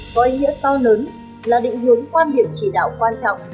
có ý nghĩa to lớn là định hướng quan điểm chỉ đạo quan trọng